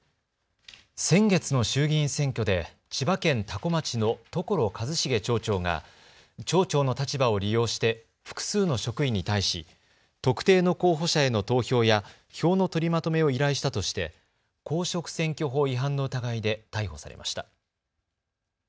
先月の衆議院選挙で千葉県多古町の所一重町長が町長の立場を利用して複数の職員に対し特定の候補者への投票や票の取りまとめを依頼したとして公職選挙法違反の疑いで逮捕されました。